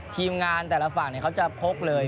ทีมงานแต่ละฝั่งเขาจะพกเลย